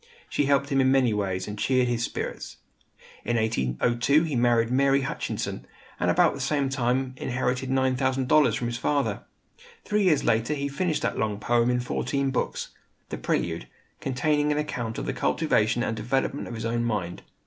She helped him in many ways, and cheered his spirits. In 1802 he married Mary Hutchinson, and about the same time inherited $9,000 from his father. Three years later he finished that long poem in fourteen books, "The Prelude," containing an account of the cultivation and development of his own mind.